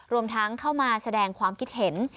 รวมทั้งเข้ามาแสดงความคิดเห็น